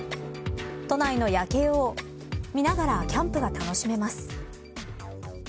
都内の夜景を見ながらキャンプが楽しめます。